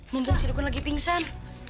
mumpung si dukun lagi pingsan